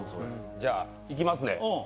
じゃあ行きますね。